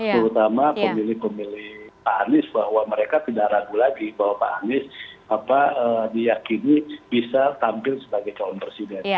terutama pemilih pemilih pak anies bahwa mereka tidak ragu lagi bahwa pak anies diyakini bisa tampil sebagai calon presiden